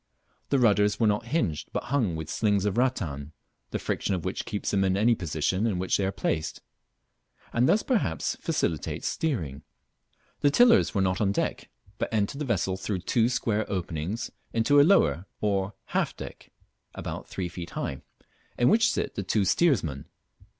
The rudders were not hinged but hung with slings of rattan, the friction of which keeps them in any position in which they are placed, and thus perhaps facilitates steering. The tillers were not on deck, but entered the vessel through two square openings into a lower or half deck about three feet high, in which sit the two steersmen.